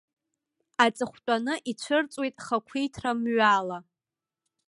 Аҵыхәтәаны ицәырҵуеит хақәиҭра мҩала.